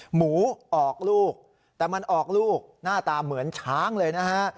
หมูออกลูกแต่มันออกลูกหน้าตาเหมือนช้างเลยนะฮะ